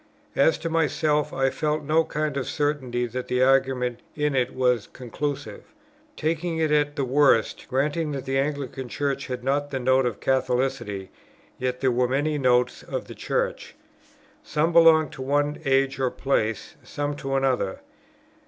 As to myself, I felt no kind of certainty that the argument in it was conclusive. Taking it at the worst, granting that the Anglican Church had not the Note of Catholicity; yet there were many Notes of the Church. Some belonged to one age or place, some to another.